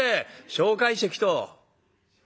蒋介石と。